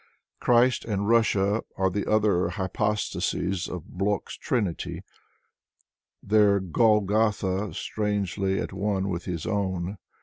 Christ and Russia are the other hypostases of Blok's trinity, their Golgotha strangely at one with his own.